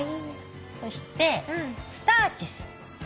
そしてスターチス。